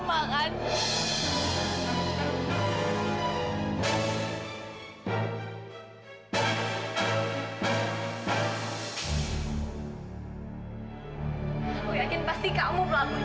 aku yakin pasti kamu melakukan